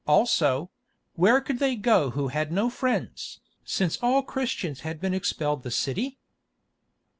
Also—where could they go who had no friends, since all Christians had been expelled the city?